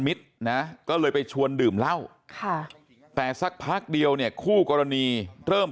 มิตรนะก็เลยไปชวนดื่มเหล้าค่ะแต่สักพักเดียวเนี่ยคู่กรณีเริ่ม